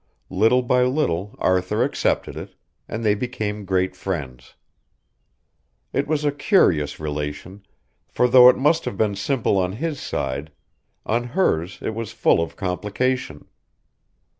Little by little Arthur accepted it, and they became great friends. It was a curious relation, for though it must have been simple on his side, on hers it was full of complication.